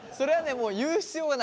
もう言う必要がない。